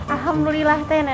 alhamdulillah teh nenek